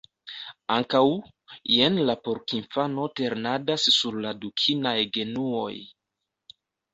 Ankaŭ, jen la porkinfano ternadas sur la dukinaj genuoj.